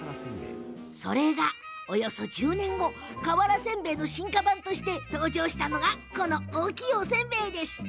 それがおよそ１０年後瓦せんべいの進化版として登場したのがこの大きい、おせんべい。